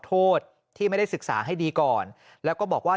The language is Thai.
กรุงเทพฯมหานครทำไปแล้วนะครับ